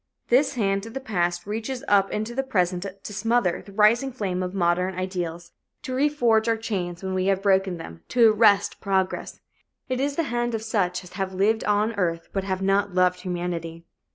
This hand of the past reaches up into the present to smother the rising flame of modern ideals, to reforge our chains when we have broken them, to arrest progress. It is the hand of such as have lived on earth but have not loved humanity.